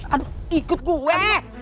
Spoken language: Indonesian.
aduh ikut gue